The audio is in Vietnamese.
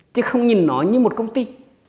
chứ không nhìn nó như một công ty